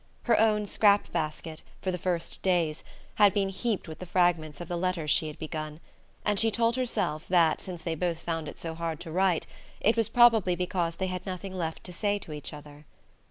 Her own scrap basket, for the first days, had been heaped with the fragments of the letters she had begun; and she told herself that, since they both found it so hard to write, it was probably because they had nothing left to say to each other.